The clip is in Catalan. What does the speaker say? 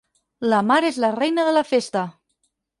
La Mar és la reina de la festa.